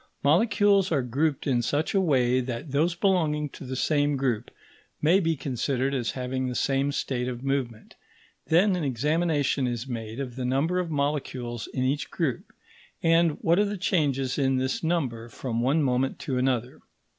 Molecules are grouped in such a way that those belonging to the same group may be considered as having the same state of movement; then an examination is made of the number of molecules in each group, and what are the changes in this number from one moment to another.